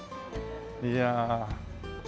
いや。